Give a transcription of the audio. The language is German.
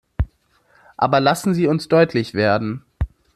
Aber lassen Sie uns deutlich werden.